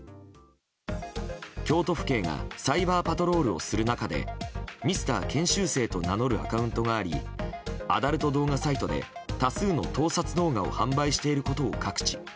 京都府警がサイバーパトロールをする中でＭｒ．研修生と名乗るアカウントがありアダルト動画サイトで多数の盗撮動画を販売していることを発見。